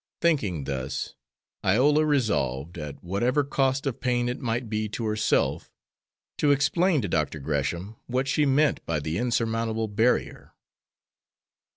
Thinking thus, Iola resolved, at whatever cost of pain it might be to herself, to explain to Dr. Gresham what she meant by the insurmountable barrier.